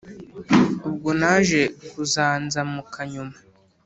Ubwo naje kuzanzamuka nyuma